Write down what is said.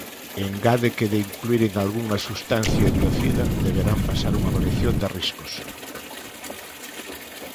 Engade que de incluíren algunha substancia biocida, deberán pasar unha avaliación de riscos.